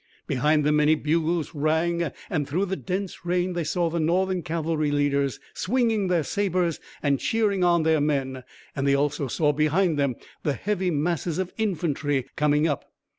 Behind them many bugles rang and through the dense rain they saw the Northern cavalry leaders swinging their sabers and cheering on their men, and they also saw behind them the heavy masses of infantry coming up.